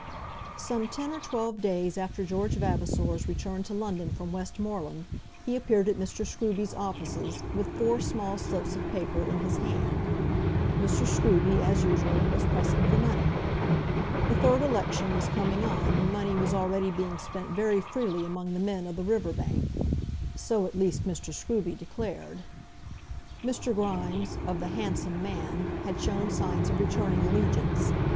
Some ten or twelve days after George Vavasor's return to London from Westmoreland he appeared at Mr. Scruby's offices with four small slips of paper in his hand. Mr. Scruby, as usual, was pressing for money. The third election was coming on, and money was already being spent very freely among the men of the River Bank. So, at least, Mr. Scruby declared. Mr. Grimes, of the "Handsome Man," had shown signs of returning allegiance.